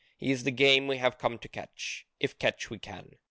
He is the game we have come to catch, if catch we can.